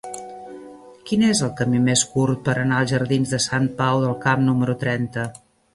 Quin és el camí més curt per anar als jardins de Sant Pau del Camp número trenta?